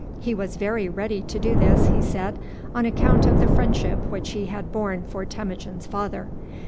He was very ready to do this, he said, on account of the friendship which he had borne for Temujin's father.